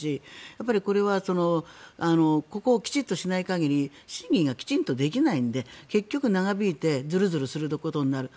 やっぱりこれはここをきちんとしない限り審議がきちんとできないので結局、長引いてずるずるすることになる。